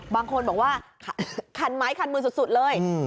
บางคนบอกว่าคันไม้คันมือสุดเลย